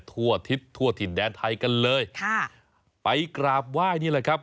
ทั่วทิศทั่วถิ่นแดนไทยกันเลยค่ะไปกราบไหว้นี่แหละครับ